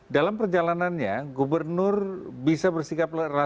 dalam perjalanannya gubernur bisa bersikap relatif lebih otomatis